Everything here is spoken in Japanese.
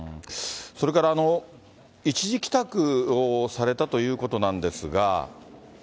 それから一時帰宅をされたということなんですが。